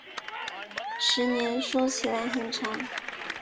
十年说起来很长